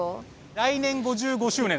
来年５５周年？